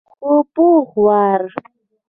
خو پوخ وار.